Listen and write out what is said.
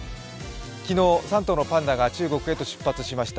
昨日、３頭のパンダが中国へと出発しました。